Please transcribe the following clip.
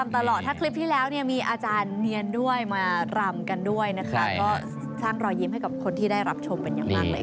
ตลอดถ้าคลิปที่แล้วเนี่ยมีอาจารย์เนียนด้วยมารำกันด้วยนะคะก็สร้างรอยยิ้มให้กับคนที่ได้รับชมเป็นอย่างมากเลย